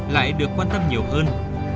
lại được quan tâm nhiều hơn